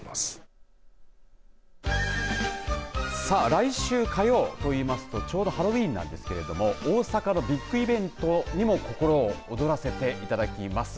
来週火曜と言いますとちょうどハロウィーンなんですけれども大阪のビックイベントにも心躍らせていただきます。